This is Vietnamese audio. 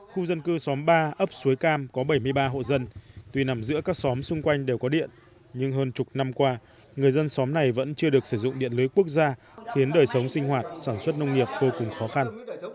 khu dân cư xóm ba ấp suối cam có bảy mươi ba hộ dân tuy nằm giữa các xóm xung quanh đều có điện nhưng hơn chục năm qua người dân xóm này vẫn chưa được sử dụng điện lưới quốc gia khiến đời sống sinh hoạt sản xuất nông nghiệp vô cùng khó khăn